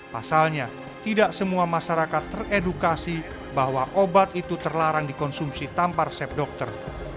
pasalnya tidak semua masyarakat teredukasi bahwa obat itu terlarang dikonsumsi tanpa resep dokter